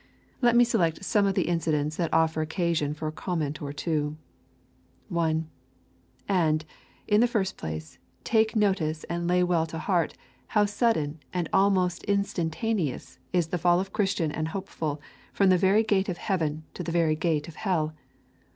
Let me select some of the incidents that offer occasion for a comment or two. 1. And, in the first place, take notice, and lay well to heart, how sudden, and almost instantaneous, is the fall of Christian and Hopeful from the very gate of heaven to the very gate of hell.